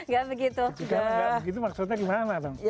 gak begitu maksudnya gimana bang